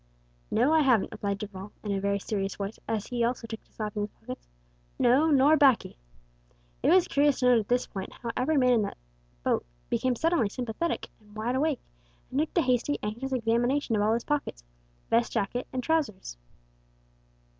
"No, I haven't," replied Darvall, in a very serious voice, as he also took to slapping his pockets; "no nor baccy!" It was curious to note at this point how every seaman in that boat became suddenly sympathetic and wide awake, and took to hasty, anxious examination of all his pockets vest jacket, and trousers.